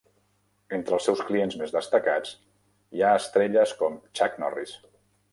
Entre els seus clients més destacats hi ha estrelles com Chuck Norris.